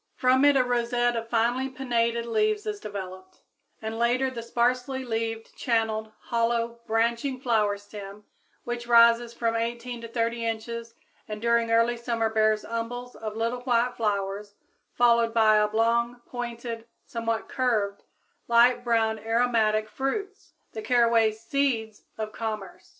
From it a rosette of finely pinnated leaves is developed, and later the sparsely leaved, channeled, hollow, branching flower stem which rises from 18 to 30 inches and during early summer bears umbels of little white flowers followed by oblong, pointed, somewhat curved, light brown aromatic fruits the caraway "seeds" of commerce.